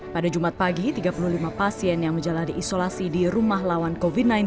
pada jumat pagi tiga puluh lima pasien yang menjalani isolasi di rumah lawan covid sembilan belas